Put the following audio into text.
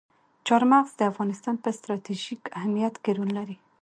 چار مغز د افغانستان په ستراتیژیک اهمیت کې رول لري.